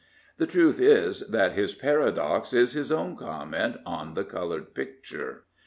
The truth is that his paradox is his own comment on the coloured picture.